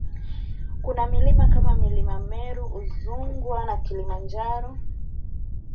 kuna milima kama vile mlima meru udzugwa na Kilimanjaro